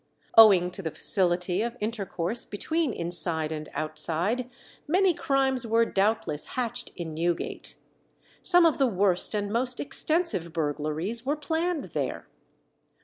Owing to the facility of intercourse between inside and outside, many crimes were doubtless hatched in Newgate. Some of the worst and most extensive burglaries were planned there.